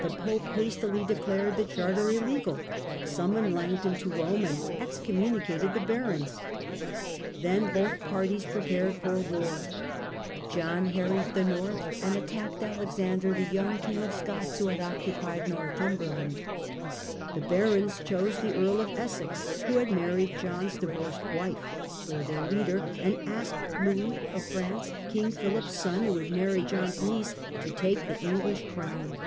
The pope hastily declared the charter illegal, summoned Langton to Rome, and excommunicated the barons. Then both parties pre The invasion pared for war. John harried the north, and of England, attached Alexander, the young King of Scots, who had occupied Northumberland. The barons chose the Earl of Essex (who had married John's divorced wife) for their leader, and asked Louis of France, King Philip's son, who had married John's niece, to take the English crown.